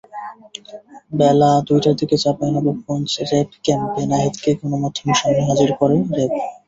বেলা দুইটার দিকে চাঁপাইনবাবগঞ্জ র্যাব ক্যাম্পে নাহিদকে গণমাধ্যমের সামনে হাজির করে র্যাব।